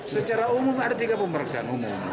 secara umum ada tiga pemeriksaan umum